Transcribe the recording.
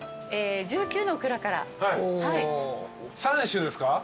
３種ですか？